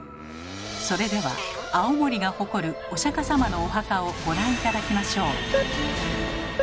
それでは青森が誇るお釈様のお墓をご覧頂きましょう。